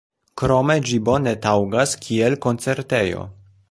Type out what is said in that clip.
Krome ĝi bone taŭgas kiel koncertejo.